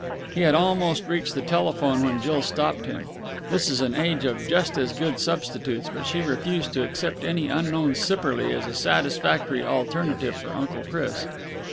He had almost reached the telephone when Jill stopped him. This is an age of just as good substitutes, but she refused to accept any unknown Sipperley as a satisfactory alternative for Uncle Chris.